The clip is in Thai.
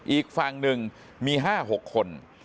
อีกฝั่งหนึ่งมี๕๖คน